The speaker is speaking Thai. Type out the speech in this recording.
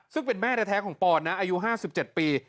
ซึ่งเป็นแม่แท้ของปอนนะอายุ๕๗ปี